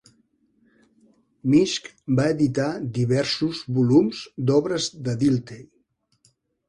Misch va editar diversos volums d'obres de Dilthey.